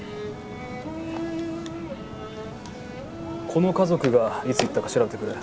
この家族がいつ行ったか調べてくれ。